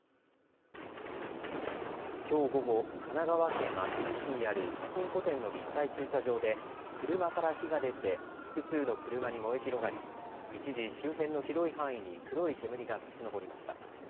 きょう午後、神奈川県厚木市にあるパチンコ店の立体駐車場で車から火が出て複数の車に燃え広がり一時、周辺の広い範囲に黒い煙が立ち上りました。